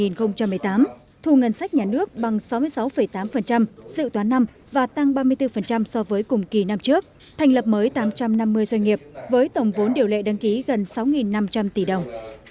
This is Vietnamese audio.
năm hai nghìn một mươi tám thu ngân sách nhà nước bằng sáu mươi sáu tám sự toán năm và tăng ba mươi bốn so với cùng kỳ năm trước thành lập mới tám trăm năm mươi doanh nghiệp với tổng vốn điều lệ đăng ký gần sáu năm trăm linh tỷ đồng